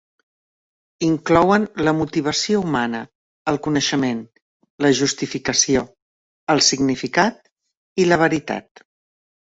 Inclouen la motivació humana, el coneixement, la justificació, el significat i la veritat.